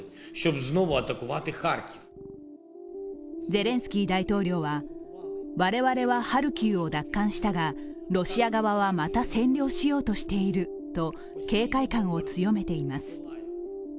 ゼレンスキー大統領は、我々はハルキウを奪還したがロシア側はまた占領しようとしていると警戒感を強めています。